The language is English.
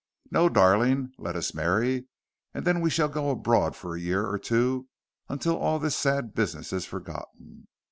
No, darling, let us marry, and then we shall go abroad for a year or two until all this sad business is forgotten.